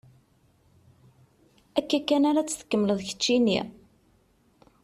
Akka kan ara tt-tkemmleḍ keččini?